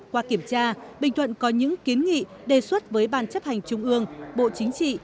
qua kiểm tra bình thuận có những kiến nghị đề xuất với ban chấp hành trung ương bộ chính trị